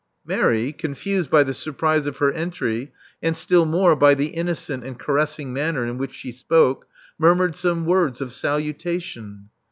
!Mary, confused by the surprise of her entry, and still more by the innocent and caressing manner in which she spoke, murmured some words of salutation.